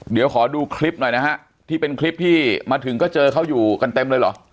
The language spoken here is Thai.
เดี๋ยวขอดูคลิปหน่อยนะฮะที่เป็นคลิปที่มาถึงก็เจอเขาอยู่กันเต็มเลยเหรอ